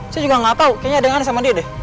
saya juga gak tahu kayaknya ada yang aneh sama dia deh